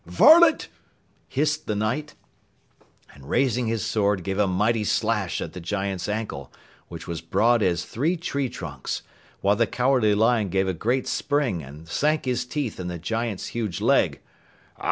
"Varlet!" hissed the Knight, and raising his sword gave a mighty slash at the giant's ankle, which was broad as three tree trunks, while the Cowardly Lion gave a great spring and sank his teeth in the giant's huge leg.